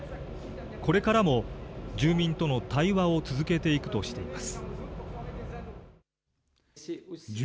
これからも住民との対話を続けていくとしています。